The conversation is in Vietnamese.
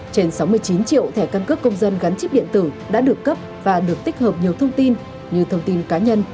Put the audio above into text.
trên sáu mươi chín triệu thẻ căn cước công dân gắn chip điện tử đã được cấp và được tích hợp nhiều thông tin như thông tin cá nhân